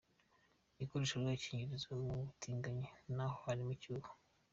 Ikoreshwa ry’agakingirizo mu batinganyi na ho harimo icyuho….